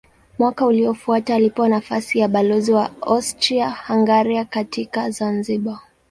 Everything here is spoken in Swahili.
Mwaka uliofuata alipewa nafasi ya balozi wa Austria-Hungaria katika Zanzibar.